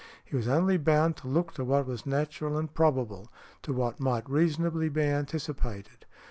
He was only bound to look to what was natural and probable, to what might reasonably be anticipated.